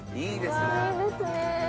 いいですね。